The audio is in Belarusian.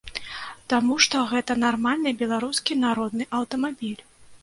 Таму што гэта нармальны беларускі народны аўтамабіль.